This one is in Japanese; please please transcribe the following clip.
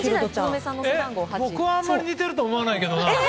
僕はあんまり似ていると思わないけどな。